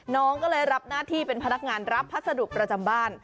น้องก็เลยรับหน้าที่เป็นพนักงานรับพัสดุประจำบ้าน